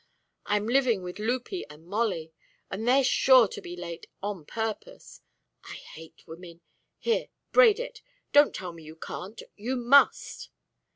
I'm living with 'Lupie and Molly, and they're sure to be late on purpose; I hate women Here! Braid it. Don't tell me you can't! You must!"